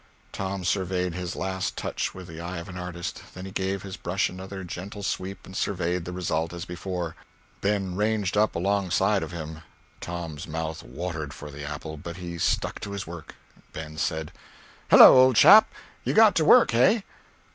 Tom surveyed his last touch with the eye of an artist, then he gave his brush another gentle sweep and surveyed the result, as before. Ben ranged up alongside of him. Tom's mouth watered for the apple, but he stuck to his work. Ben said: "Hello, old chap, you got to work, hey?"